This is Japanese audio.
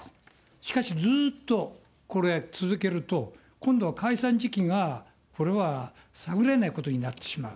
しかし、ずっとこれを続けると、今度は解散時期が、これは探れないことになってしまう。